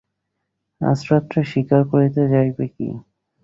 আজ রাত্রে শিকার করিতে যাইবে কি।